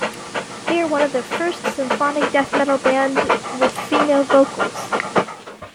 They are one of the first Symphonic Death Metal band with female vocals!